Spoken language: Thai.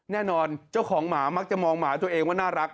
แน่นอนเจ้าของหมามักจะมองหมาตัวเองว่าน่ารัก